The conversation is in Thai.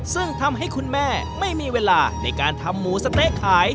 ซึ่งทำให้คุณแม่ไม่มีเวลาในการทำหมูสะเต๊ะขาย